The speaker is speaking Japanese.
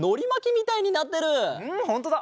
うんほんとだ！